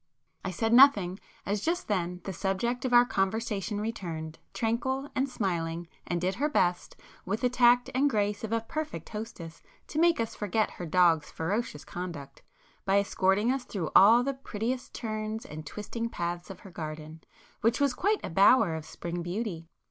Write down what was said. I said nothing, as just then the subject of our conversation returned, tranquil and smiling, and did her best, with the tact and grace of a perfect hostess, to make us forget her dog's ferocious conduct, by escorting us through all the prettiest turns and twisting paths of her garden, which was quite a bower of spring beauty.